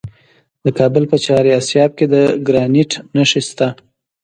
د کابل په چهار اسیاب کې د ګرانیټ نښې شته.